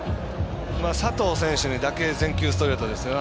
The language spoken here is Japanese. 佐藤選手にだけ全球ストレートです。